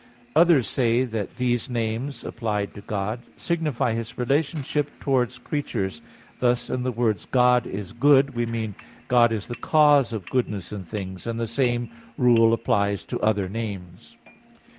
Others say that these names applied to God signify His relationship towards creatures: thus in the words, "God is good," we mean, God is the cause of goodness in things; and the same rule applies to other names.